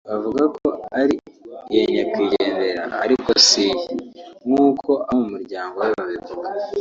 bavuga ko ari iya nyakwigendera ariko si iye; nk’uko abo mu muryango we babivuga